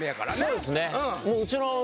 そうですね